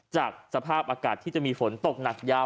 จากสภาพอากาศที่จะมีฝนตกหนักยาว